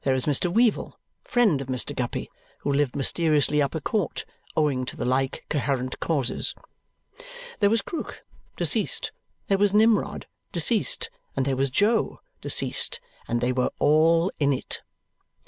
There is Mr. Weevle, friend of Mr. Guppy, who lived mysteriously up a court, owing to the like coherent causes. There was Krook, deceased; there was Nimrod, deceased; and there was Jo, deceased; and they were "all in it."